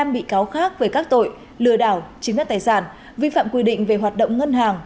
bị cáo khác về các tội lừa đảo chính pháp tài sản vi phạm quy định về hoạt động ngân hàng